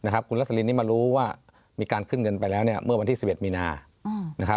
คุณลักษณีย์นี้มารู้ว่ามีการขึ้นเงินไปแล้วเมื่อวันที่๑๑มีนา